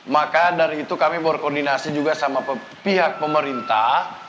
maka dari itu kami berkoordinasi juga sama pihak pemerintah